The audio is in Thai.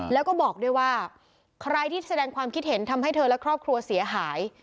แล้วก็บอกด้วยว่าใครที่แสดงความคิดเห็นทำให้เธอและครอบครัวเสียหาย